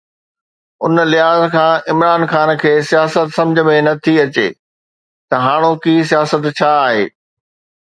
ان لحاظ کان عمران خان کي سياست سمجهه ۾ نه ٿي اچي ته هاڻوڪي سياست ڇا آهي؟